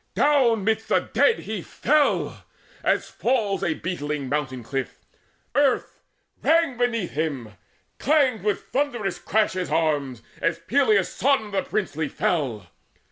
Down midst the dead He fell, as fails a beetling mountain cliff. Earth rang beneath him: clanged with a thundercrash His arms, as Peleus' son the princely fell.